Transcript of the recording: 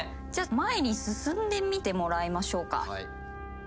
前に進んでみてもらいましょうか。